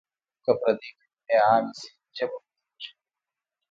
که پردۍ کلمې عامې شي ژبه بدلېږي.